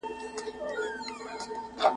هره تيږه يې پاميرؤ !.